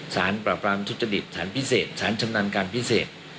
สารปราบรามทุจริตฐานพิเศษสารชำนาญการพิเศษ